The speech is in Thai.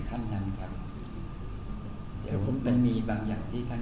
เขาต้องการข้อเสนอเขามีอะไรบ้าง